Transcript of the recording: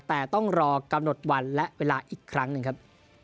แต่ต้องรอกำหนดวันและเวลาอีกครั้งหนึ่งครับ